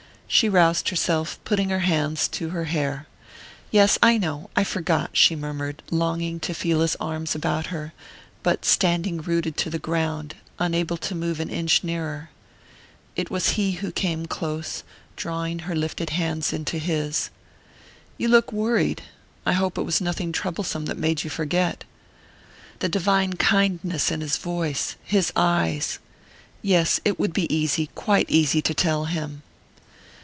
She roused herself, putting her hands to her hair. "Yes, I know I forgot," she murmured, longing to feel his arms about her, but standing rooted to the ground, unable to move an inch nearer. It was he who came close, drawing her lifted hands into his. "You look worried I hope it was nothing troublesome that made you forget?" The divine kindness in his voice, his eyes! Yes it would be easy, quite easy, to tell him....